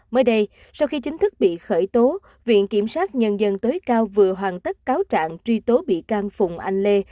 mới đây sau khi chính thức bị khởi tố viện kiểm sát nhân dân tối cao vừa hoàn tất cáo trạng truy tố bị can phùng anh lê